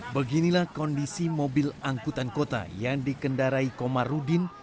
beginilah kondisi mobil angkutan kota yang dikendarai komarudin